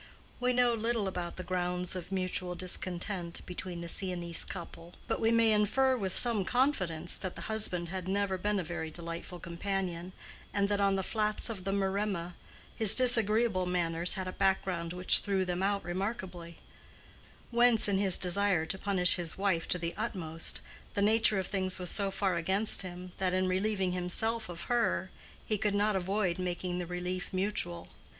We know little about the grounds of mutual discontent between the Siennese couple, but we may infer with some confidence that the husband had never been a very delightful companion, and that on the flats of the Maremma his disagreeable manners had a background which threw them out remarkably; whence in his desire to punish his wife to the upmost, the nature of things was so far against him that in relieving himself of her he could not avoid making the relief mutual.